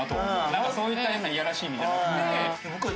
なんかそういった変ないやらしい意味じゃなくて。